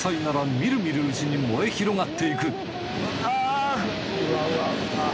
みるみるうちに燃え広がっていくあぁ！